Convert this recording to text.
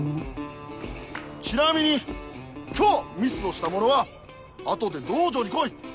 ちなみに今日ミスをした者はあとで道場に来い！